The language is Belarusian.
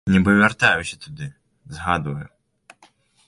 Нібы вяртаюся туды, згадваю.